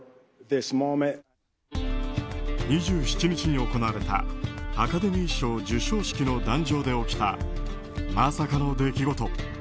２７日に行われたアカデミー賞授賞式の壇上で起きたまさかの出来事。